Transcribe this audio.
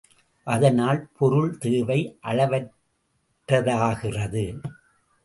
அதனால் பொருள் தேவை அளவற்றதாகிறது.